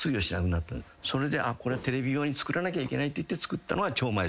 それでこれテレビ用に作らなきゃいけないっていって作ったのが超魔術。